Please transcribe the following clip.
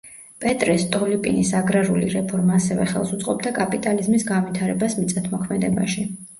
პეტრე სტოლიპინის აგრარული რეფორმა ასევე ხელს უწყობდა კაპიტალიზმის განვითარებას მიწათმოქმედებაში.